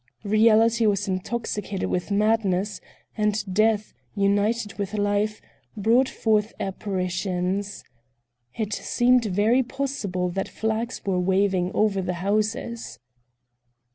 Reality was intoxicated with madness and Death, united with Life, brought forth apparitions. It seemed very possible that flags were waving over the houses.